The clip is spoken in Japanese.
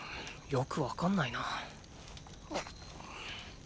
よくわかんないなぁ。